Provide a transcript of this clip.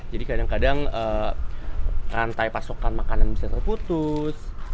jadi kadang kadang rantai pasokan makanan bisa terputus